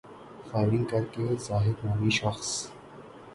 firing کر کے زاہد نامی شخص